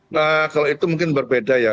nah kalau itu mungkin berbeda ya